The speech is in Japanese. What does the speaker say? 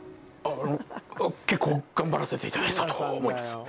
あの結構頑張らせていただいたと思います